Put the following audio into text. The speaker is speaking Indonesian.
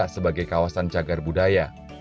sebagai kawasan cagar budaya